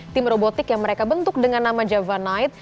tim robotik yang mereka bentuk dengan nama java night